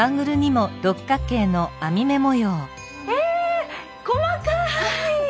え細かい。